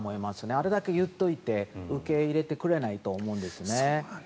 あれだけ言っておいて受け入れてくれないと思います。